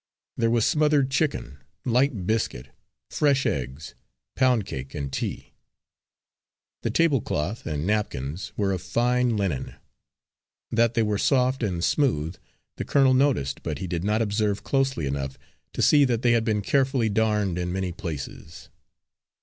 There was smothered chicken, light biscuit, fresh eggs, poundcake and tea. The tablecloth and napkins were of fine linen. That they were soft and smooth the colonel noticed, but he did not observe closely enough to see that they had been carefully darned in many places.